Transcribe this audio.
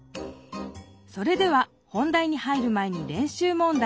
それでは本題に入る前に練習問題です。